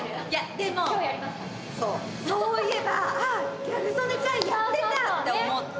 でも、そういえばああ、ギャル曽根ちゃんやってたと思って。